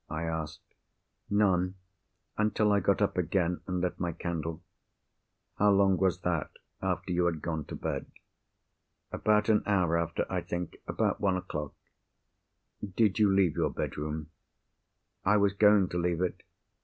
I asked. "None—until I got up again, and lit my candle." "How long was that, after you had gone to bed?" "About an hour after, I think. About one o'clock." "Did you leave your bedroom?" "I was going to leave it.